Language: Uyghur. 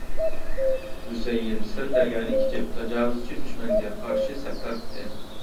ھۈسەيىن سىر دەريانى كېچىپ تاجاۋۇزچى دۈشمەنگە قارشى سەپ تارتتى.